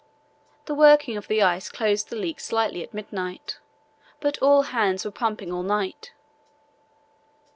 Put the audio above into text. The working of the ice closed the leaks slightly at midnight, but all hands were pumping all night.